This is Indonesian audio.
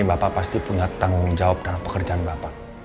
bapak pasti punya tanggung jawab dalam pekerjaan bapak